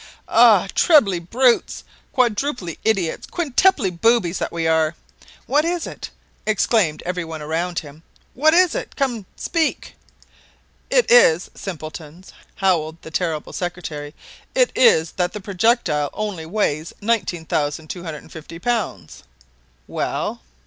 "Ah! trebly brutes! quadruply idiots! quintuply boobies that we are!" "What is it?" exclaimed everyone around him. "What is it?" "Come, speak!" "It is, simpletons," howled the terrible secretary, "it is that the projectile only weighs 19,250 pounds!" "Well?"